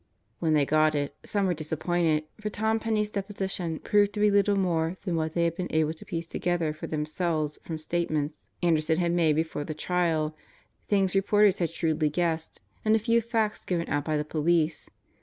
When they got it, some were dis appointed; for Tom Penney 's deposition proved to be little more than what they had been able to piece together for themselves from statements Anderson had made before the trial, things reporters had shrewdly guessed, and a few facts given out by the Police.